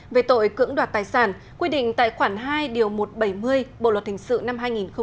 về tội cưỡng đoạt tài sản quy định tại khoản hai điều một trăm bảy mươi bộ luật hình sự năm hai nghìn một mươi năm